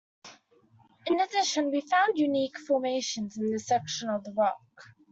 In addition, we found unique formations in this section of the rock.